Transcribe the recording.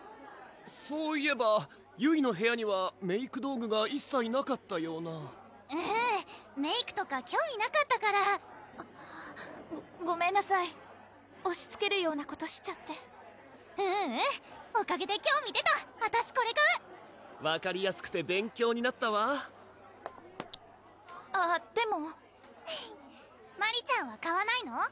そういえばゆいの部屋にはメーク道具が一切なかったようなうんメークとか興味なかったからごごめんなさいおしつけるようなことしちゃってううんおかげで興味出たあたしこれ買う分かりやすくて勉強になったわあっでもマリちゃんは買わないの？